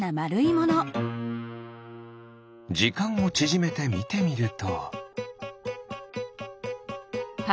じかんをちぢめてみてみると。